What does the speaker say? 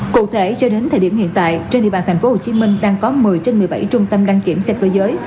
cụ thể cho đến thời điểm hiện tại trên địa bàn tp hcm đang có một mươi trên một mươi bảy trung tâm đăng kiểm xe cơ giới